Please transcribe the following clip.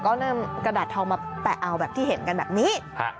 ก็นำกระดาษทองมาแปะเอาแบบที่เห็นกันแบบนี้